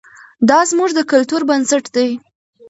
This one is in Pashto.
دا زموږ د کلتور بنسټ دی.